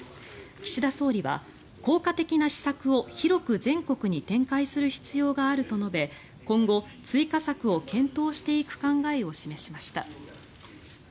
岸田総理は効果的な施策を広く全国に展開する必要があると述べ今後、追加策を検討していく考えを示しました。